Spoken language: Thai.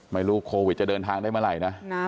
ไม่รู้โควิดจะเดินทางได้เมื่อไหร่นะ